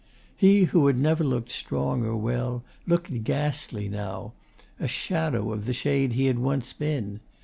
He, who had never looked strong or well, looked ghastly now a shadow of the shade he had once been.